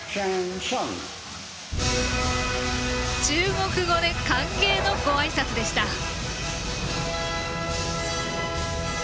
中国語で歓迎のごあいさつでした。